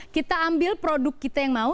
kita ambil produk kita yang mau